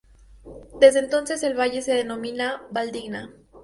Desde entonces el valle se denomina Valldigna.